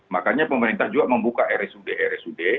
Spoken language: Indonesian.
makanya pemerintah juga membuka rsud rsud